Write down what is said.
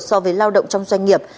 so với lao động trong doanh nghiệp